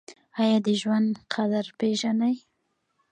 ایا د ژوند قدر پیژنئ؟